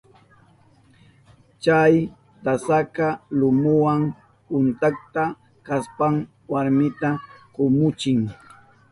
Chay tasaka lumuwa untakta kashpan warmita kumuchin.